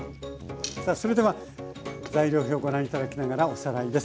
さあそれでは材料表ご覧頂きながらおさらいです。